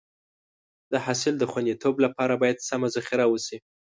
د حاصل د خونديتوب لپاره باید سمه ذخیره وشي.